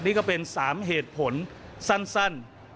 นี่ก็เป็น๓เหตุผลสั้น